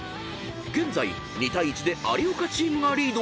［現在２対１で有岡チームがリード］